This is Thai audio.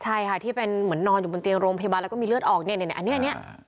ใช่ค่ะที่เป็นเหมือนนอนอยู่บนเตียงโรงพยาบาลแล้วก็มีเลือดออกเนี่ยอันนี้